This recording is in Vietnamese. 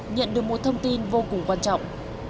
nhận được một thông tin vô cùng quan trọng